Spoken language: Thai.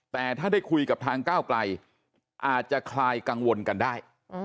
แต่ถ้าได้คุยกับทางก้าวไกลอาจจะคลายกังวลกันได้